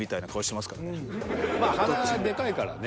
まあ鼻がでかいからね。